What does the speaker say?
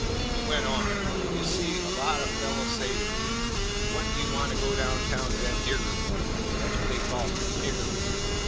He went on: "You see, a lot o' fellows say to me, 'What do you want to go down to that nigger club for?' That 's what they call it, 'nigger club.'